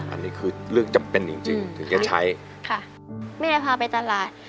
อันนี้คือเรื่องจำเป็นจริงจริงถึงจะใช้ค่ะแม่พาไปตลาด